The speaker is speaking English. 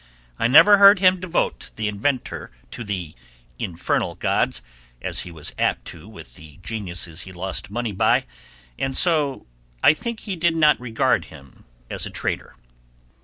I never heard him devote the inventor to the infernal gods, as he was apt to do with the geniuses he lost money by, and so I think he did not regard him as a traitor.